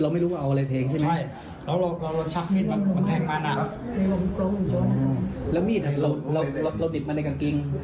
และมีดเราพลิดมาในกางกิ๊ง